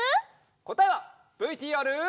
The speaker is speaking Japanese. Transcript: こたえはＶＴＲ。